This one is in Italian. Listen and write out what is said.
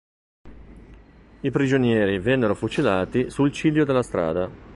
I prigionieri vennero fucilati sul ciglio della strada.